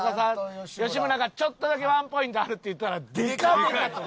吉村がちょっとだけワンポイントあるって言ったらでかでかと！